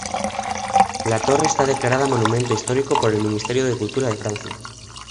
La torre está declarada Monumento Histórico por el Ministerio de Cultura de Francia.